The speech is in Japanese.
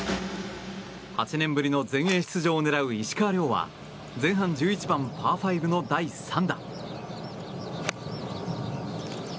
８年ぶりの全英出場を狙う石川遼は前半１１番、パー４の第３打。